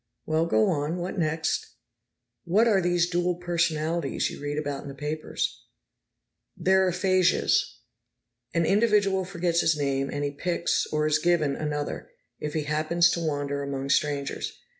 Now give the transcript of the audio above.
"Well, go on. What next?" "What are these dual personalities you read about in the papers?" "They're aphasias. An individual forgets his name, and he picks, or is given, another, if he happens to wander among strangers.